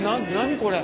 これ。